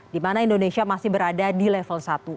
dimana indonesia masih berada di level satu